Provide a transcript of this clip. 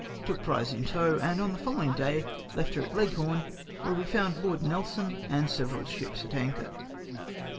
Took prize in tow, and on the follow ing day left her at Leghorn, where we found Lord Nelson, and several ships at anchor.